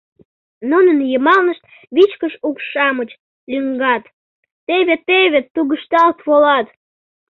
Нунын йымалнышт вичкыж укш-шамыч лӱҥгат, теве-теве тугышталт волат.